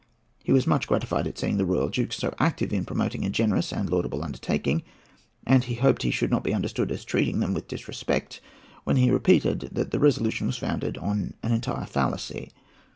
He was much gratified at seeing the royal Dukes so active in promoting a generous and laudable undertaking, and he hoped he should not be understood as treating them with disrespect when he repeated that the resolution was founded on an entire fallacy.